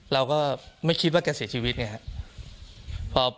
เราก็ไม่คิดว่าจะเสียชีวิตอย่างนี้